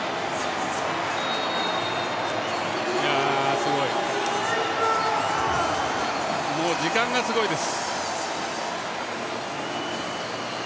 すごい！時間がすごいです。